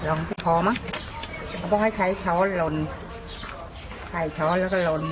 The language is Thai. ลองพอมั้งเอาไปให้ใช้เฉาะหล่นใส่เฉาะแล้วก็หล่น